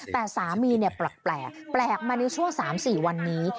แต่สามีแปลกแปลกมาช่วง๓๔วันนี้